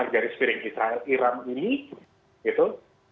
dari seiring israel iran ini gitu